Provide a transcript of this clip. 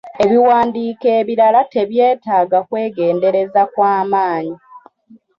Ebiwandiiko ebirala tebyetaaga kwegendereza kwa maanyi.